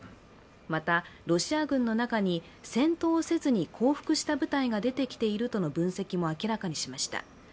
またロシア軍の中に戦闘をせずに降伏した部隊が出てきているとの分析も明らかにしました。